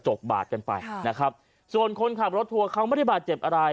บาดกันไปนะครับส่วนคนขับรถทัวร์เขาไม่ได้บาดเจ็บอะไร